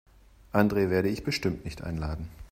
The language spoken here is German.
Andre werde ich bestimmt nicht einladen.